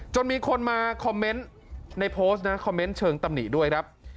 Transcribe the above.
จนมีคนมาคอมเมนต์ในโพสต์นะคอมเมนต์เชิงตำหนิด้วยครับ